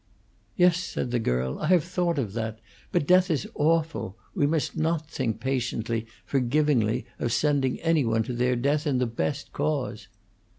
"Yes," said the girl; "I have thought of that. But death is awful; we must not think patiently, forgivingly of sending any one to their death in the best cause."